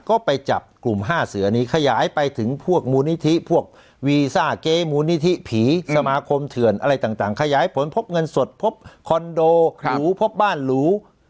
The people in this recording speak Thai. ก็ไปจับกลุ่ม๕เสือนี้ขยายไปถึงพวกมูลนิธิพวกวีซ่าเก๊มูลนิธิผีสมาคมเถื่อนอะไรต่างขยายผลพบเงินสดพบคอนโดหรูพบบ้านหรู